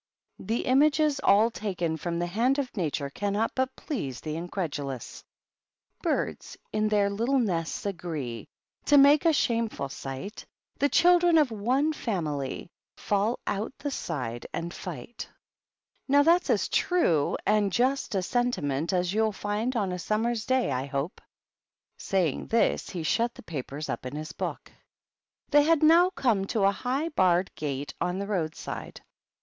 The images, all taken from the hand of Nature, cannot but please the incredulous :* Birds in their little nests agree To make a shameful sight; The children of one family Fall out the side and fight P Now that's as true and just a sentiment as you'll find of a summer's day, I hope." Saying this, he shut the papers up in his book. They had now come to a high barred gate on the roadside.